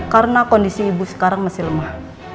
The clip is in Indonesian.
karena kondisi ibu sekarang masih lemah